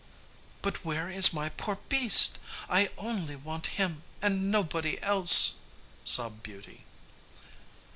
"But where is my poor beast? I only want him and nobody else," sobbed Beauty.